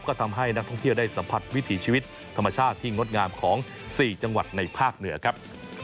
ก็ทำให้นักท่องเที่ยวได้สัมผัสวิถีชีวิตธรรมชาติที่งดงามของ๔จังหวัดในภาคเหนือครับ